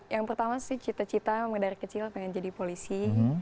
yang pertama sih cita cita dari kecil pengen jadi polisi